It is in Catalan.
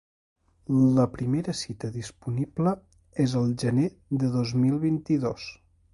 La primera cita disponible és al gener de dos mil vint-i-dos.